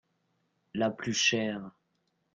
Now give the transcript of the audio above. La plus chère.